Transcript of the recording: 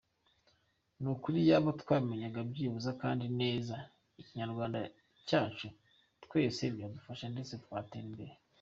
Nukuri iyaba twamenyaga byibuze kwandika neza Ikinyarwanda cyacu twese byadufasha ndetse twatera imbere.